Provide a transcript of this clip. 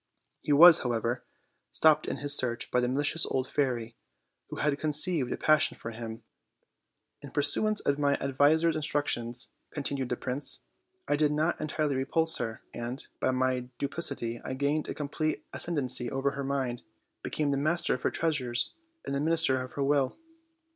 He was, however, stopped in his search by the malicious old fairy, who had conceived a passion for him. "In pursuance of my ad viser's instructions," continued the prince, "I did not entirely repulse her, and, by my duplicity I gained a complete ascendency over her mind, became the master of her treasures and the minister of her will.